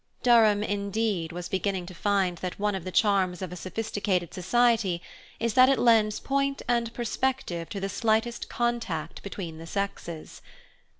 Durham, indeed, was beginning to find that one of the charms of a sophisticated society is that it lends point and perspective to the slightest contact between the sexes.